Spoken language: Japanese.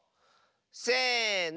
せの！